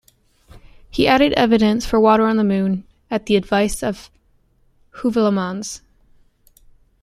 He added evidence for water on the moon at the advice of Heuvelmans.